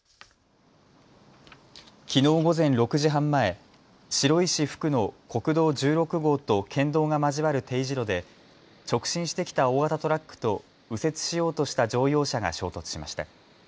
きのう午前６時半前、白井市復の国道１６号と県道が交わる丁字路で直進してきた大型トラックと右折しようとした乗用車が衝突しました。